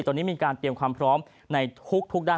ตอนนี้มีการเตรียมความพร้อมในทุกด้าน